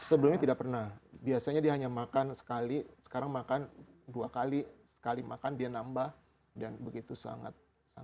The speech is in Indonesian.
sebelumnya tidak pernah biasanya dia hanya makan sekali sekarang makan dua kali sekali makan dia nambah dan begitu sangat